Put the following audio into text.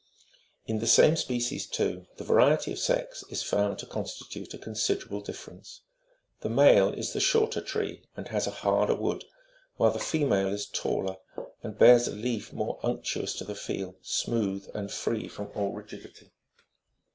In the same species too, the variety of sex 7 is found to con stitute a considerable difference : the male is the shorter tree, and has a harder wood ; while the female is taller, and bears a leaf more unctuous to the feel, smooth and free from all rigidity.